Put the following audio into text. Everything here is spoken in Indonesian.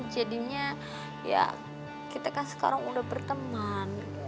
jadinya ya kita kan sekarang udah berteman